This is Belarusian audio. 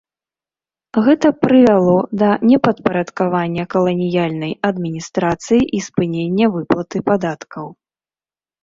Гэта прывяло да непадпарадкавання каланіяльнай адміністрацыі і спынення выплаты падаткаў.